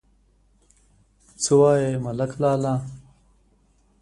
_څه وايې ملک لالا ؟